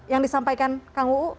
yang disampaikan kang uu